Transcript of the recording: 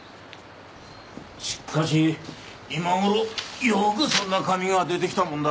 しっかし今ごろよくそんな紙が出てきたもんだ。